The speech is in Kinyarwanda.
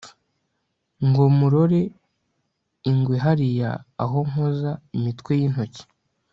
ngo murore ingwehariya aho nkoza imitwe y'intoki